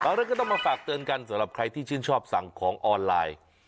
เรื่องก็ต้องมาฝากเตือนกันสำหรับใครที่ชื่นชอบสั่งของออนไลน์